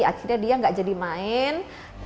akhirnya dia nggak jadi main